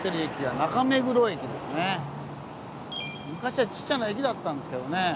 今昔はちっちゃな駅だったんですけどね。